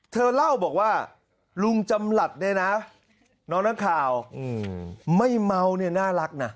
เธอเล่าบอกว่าลุงจำหลัดเนี่ยนะน้องนักข่าวไม่เมาเนี่ยน่ารักนะ